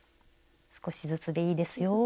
少しずつでいいですよ。